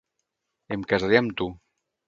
Em casaré amb tu!